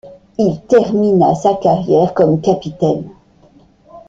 Il termina sa carrière comme capitaine.